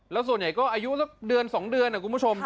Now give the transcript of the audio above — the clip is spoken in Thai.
แล้วส่วนใหญ่ก็อายุสักเดือน๒เดือนนะคุณผู้ชม